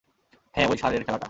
হ্যাঁ, ওই ষাঁড়ের খেলাটা।